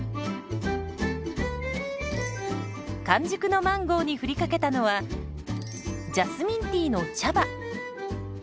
完熟のマンゴーに振りかけたのはジャスミンティーの茶葉。